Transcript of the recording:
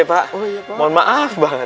pak pak maaf pak